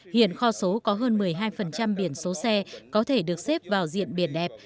hiện kho số có hơn một mươi hai biển số xe có thể được xếp vào diện biển đẹp